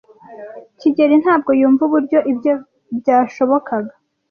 kigeli ntabwo yumva uburyo ibyo byashobokaga.